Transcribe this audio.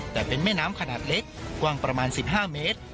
แต่เป็นแม่น้ำขนาดเล็กกว้างประมาณ๑๕เมตร